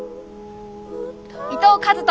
伊藤和斗。